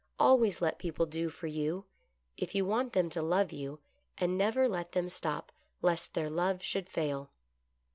Always let people do for you, if you want them to love you, and never let them stop lest their love should fail."